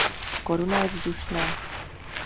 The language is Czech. Koruna je vzdušná.